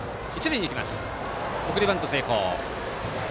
送りバント成功。